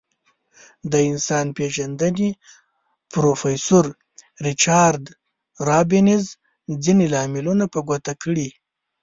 د انسان پیژندنې پروفیسور ریچارد رابینز ځینې لاملونه په ګوته کړي.